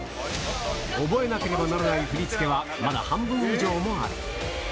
覚えなければならない振り付けはまだ半分以上もある。